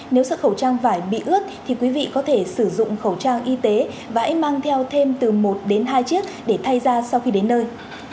nếu sợ khẩu trang vải bị ướt thì quý vị có thể sử dụng khẩu trang y tế và hãy mang theo thêm từ một đến hai chiếc để thay ra sau khi đến nơi